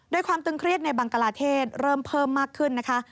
โดยความตึงเครียดในบังกลาเทศเริ่มเพิ่มมากขึ้นนะคะ